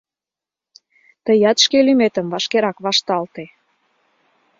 Тыят шке лӱметым вашкерак вашталте.